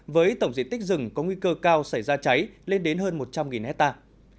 với tổng diện tích rừng có nguy cơ cao xảy ra cháy lên đến hơn một trăm linh hectare